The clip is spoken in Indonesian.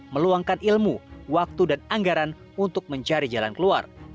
meluangkan ilmu waktu dan anggaran untuk mencari jalan keluar